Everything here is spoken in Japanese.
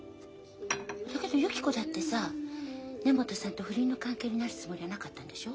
だけどゆき子だってさ根本さんと不倫の関係になるつもりはなかったんでしょ？